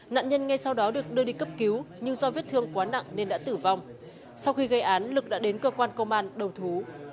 nạn nhân ngay sau đó được đưa đi cấp cứu nhưng do vết thương quá nặng nên đã tử vong sau khi gây án lực đã đến cơ quan công an đầu thú